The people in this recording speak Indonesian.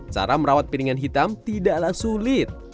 cara merawat piringan hitam tidaklah sulit